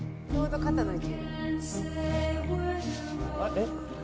えっ？